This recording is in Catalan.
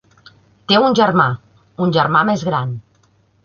Té un germà, un germà més gran.